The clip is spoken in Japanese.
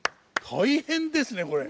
大変ですねこれ。